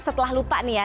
setelah lupa nih ya